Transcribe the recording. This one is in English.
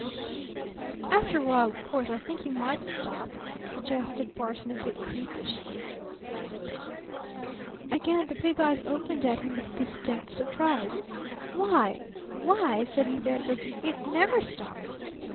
Mmmmmmmm Mmmmmmm " "After a while, of course, I think you might stop," suggested Barton a bit creepishly. Again the big eyes opened at him with distinct surprise. "Why why?" said Eve Edgarton. "It never stops!"